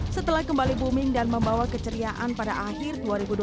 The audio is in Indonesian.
setelah kembali booming dan membawa keceriaan pada akhir dua ribu dua puluh